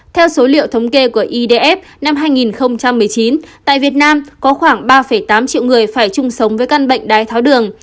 theo số liệu thống kê của idf năm hai nghìn một mươi chín tại việt nam có khoảng ba tám triệu người phải chung sống với căn bệnh đái tháo đường